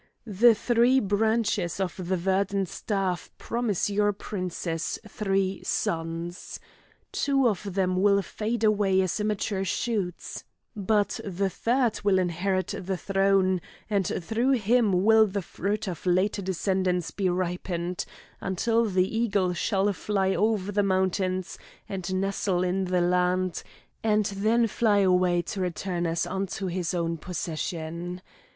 The three branches of the verdant staff promise your princess three sons. Two of them will fade away as immature shoots, but the third will inherit the throne, and through him will the fruit of later descendants be ripened, until the eagle shall fly over the mountains and nestle in the land, and then fly away to return as unto his own possession.